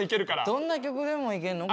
どんな曲でもいけんの？